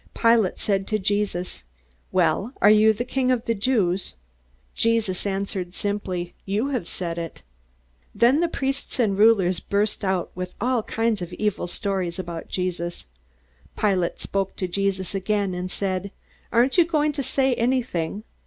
Pilate said to Jesus, "Well, are you the King of the Jews?" Jesus answered simply, "You have said it." Then the priests and rulers burst out with all kinds of evil stories about Jesus. Pilate spoke to Jesus again, and said: "Aren't you going to say anything?